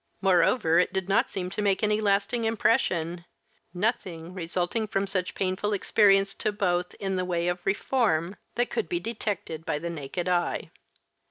Moreover it did not seem to make any lasting impression, nothing resulting from such painful experience to both, in the way of reform, that could be detected by the naked eye.